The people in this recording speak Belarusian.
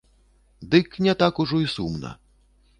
Дык не так ужо і сумна.